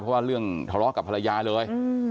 เพราะว่าเรื่องทะเลาะกับภรรยาเลย